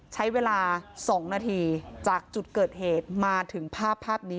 ใช้เวลา๒นาทีจากจุดเกิดเหตุมาถึงภาพภาพนี้